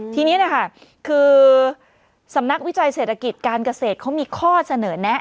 ทีนี้นะคะคือสำนักวิจัยเศรษฐกิจการเกษตรเขามีข้อเสนอแนะ